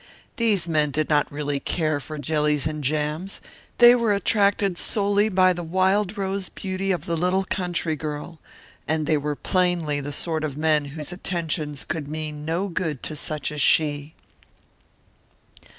These men did not really care for jellies and jams, they were attracted solely by the wild rose beauty of the little country girl. And they were plainly the sort of men whose attentions could mean no good to such as she.